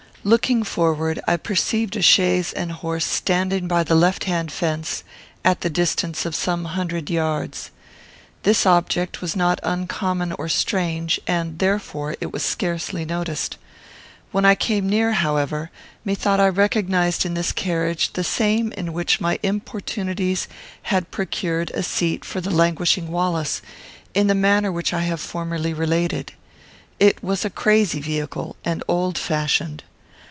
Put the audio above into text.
Looking forward, I perceived a chaise and horse standing by the left hand fence, at the distance of some hundred yards. This object was not uncommon or strange, and, therefore, it was scarcely noticed. When I came near, however, methought I recognised in this carriage the same in which my importunities had procured a seat for the languishing Wallace, in the manner which I have formerly related. It was a crazy vehicle and old fashioned.